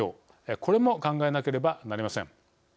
これも考えなければなりません。